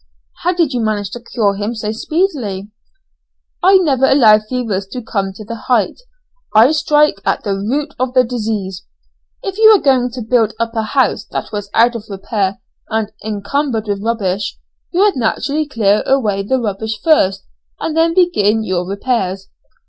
"How did you manage to cure him so speedily?" "I never allow fevers to come to the height; I strike at the root of the disease. If you were going to build up a house that was out of repair and encumbered with rubbish, you would naturally clear away the rubbish first and then begin your repairs.